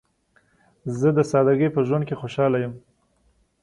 زه د سادګۍ په ژوند کې خوشحاله یم.